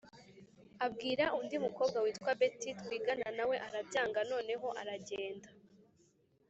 Abwira undi mukobwa witwa Betty twigana nawe arabyanga, noneho aragenda